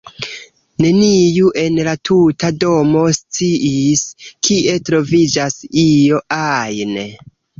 Neniu en la tuta domo sciis, kie troviĝas io ajn.